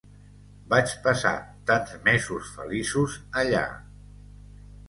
Vaig passar tants mesos feliços allà!